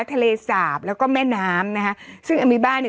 ทะเลสาบแล้วก็แม่น้ำนะคะซึ่งอามีบ้านเนี่ย